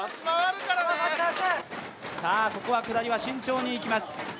ここは下りは慎重にいきます。